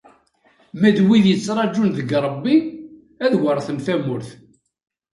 Ma d wid yettraǧun deg Rebbi, ad weṛten tamurt.